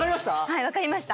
はい分かりました